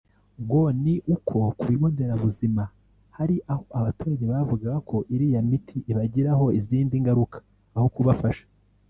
ngo ni uko ku bigo nderabuzima hari aho abaturage bavugaga ko iriya miti ibagiraho izindi ngaruka aho kubafasha